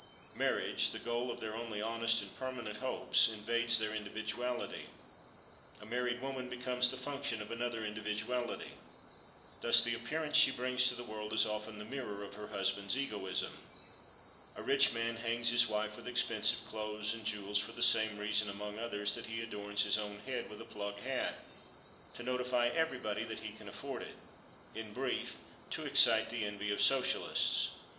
Marriage, the goal of their only honest and permanent hopes, invades their individuality; a married woman becomes the function of another individuality. Thus the appearance she presents to the world is often the mirror of her husband's egoism. A rich man hangs his wife with expensive clothes and jewels for the same reason, among others, that he adorns his own head with a plug hat: to notify everybody that he can afford it—in brief, to excite the envy of Socialists.